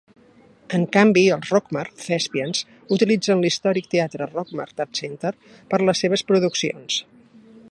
En canvi, els Rockmart Thespians utilitzen l'històric teatre Rockmart Art Center per a les seves produccions.